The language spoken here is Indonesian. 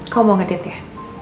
kau mau ngedate ya